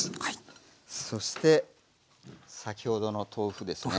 そして先ほどの豆腐ですね。